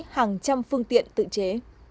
hàng trăm phương tiện tự chế